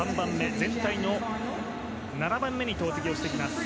全体の７番目に投てきをしてきます。